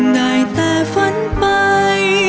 ได้แต่ฝันไป